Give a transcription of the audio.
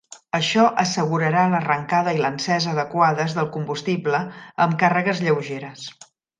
Això "assegurarà l'arrencada i l'encesa adequades del combustible amb càrregues lleugeres".